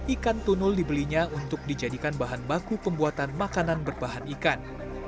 ikan tunul dibelinya untuk dijadikan bahan baku pembuatan makanan berbahan ikan